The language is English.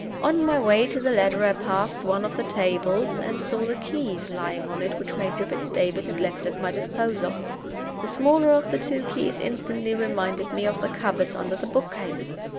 On my way to the ladder I passed one of the tables, and saw the keys lying on it which Major Fitz David had left at my disposal. The smaller of the two keys instantly reminded me of the cupboards under the bookcase.